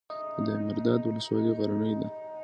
د دایمیرداد ولسوالۍ غرنۍ ده